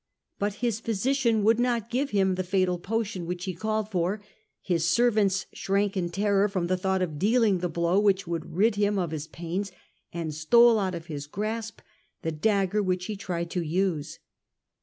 But his physician would not give him the fatal potion which he called for ; his servants shrank in terror from the thought of dealing the blow which would rid him of his pains, and stole out of his grasp the dagger which he tried to use.